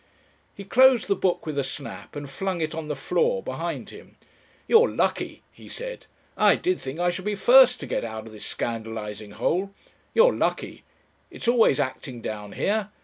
He closed the book with a snap and flung it on the floor behind him. "You're lucky," he said. "I did think I should be first to get out of this scandalising hole. You're lucky. It's always acting down here.